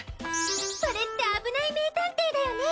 それって『あぶない名探偵』だよね？